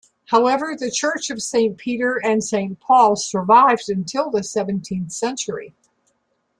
However, the church of Saint Peter and Saint Paul survived until the seventeenth century.